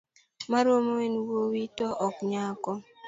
Maromo en wuoyi to ok nyako